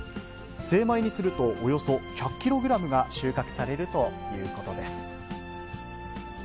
精米にするとおよそ１００キログラムが収穫されるということです。